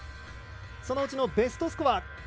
そのうちベストスコア。